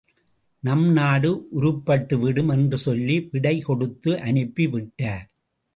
நம்நாடு உருப்பட்டுவிடும். என்று சொல்லி, விடை கொடுத்து அனுப்பிவிட்டார்.